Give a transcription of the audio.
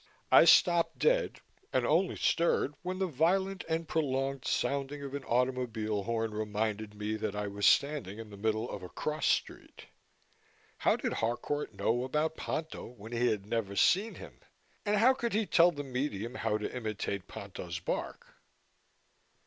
I stopped dead and only stirred when the violent and prolonged sounding of an automobile horn reminded me that I was standing in the middle of a cross street. How did Harcourt know about Ponto when he had never seen him? And how could he tell the medium how to imitate Ponto's bark?